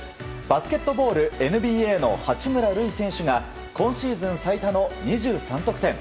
バスケットボールＮＢＡの八村塁選手が今シーズン最多の２３得点。